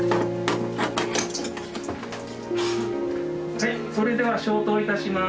はいそれでは消灯いたします。